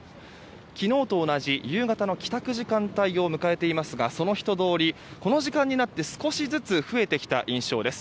昨日と同じ夕方の帰宅時間帯を迎えていますがその人通り、この時間になって少しずつ増えてきた印象です。